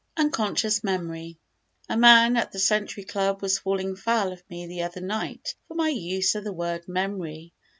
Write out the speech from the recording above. Unconscious Memory A man at the Century Club was falling foul of me the other night for my use of the word "memory."